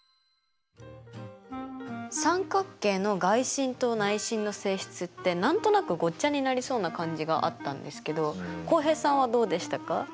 三角形の外心と内心の性質って何となくごっちゃになりそうな感じがあったんですけど浩平さんはどうでしたか？